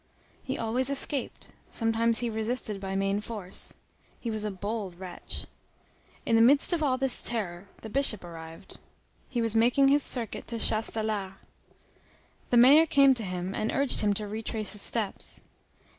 He always escaped; sometimes he resisted by main force. He was a bold wretch. In the midst of all this terror the Bishop arrived. He was making his circuit to Chastelar. The mayor came to meet him, and urged him to retrace his steps.